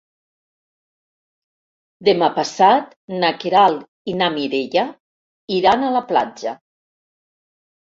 Demà passat na Queralt i na Mireia iran a la platja.